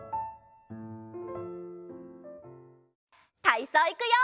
たいそういくよ！